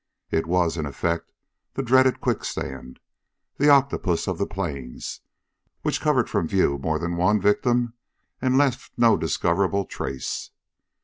It was, in effect, the dreaded quicksand, the octopus of the Plains, which covered from view more than one victim and left no discoverable trace.